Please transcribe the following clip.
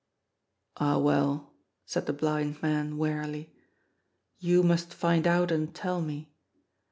445 " Ah, well," said the blind man wearily. " You musfc find out and tell me.